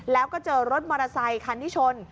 แล้วก็เจอรถมอเตอร์ไซคันที่ชน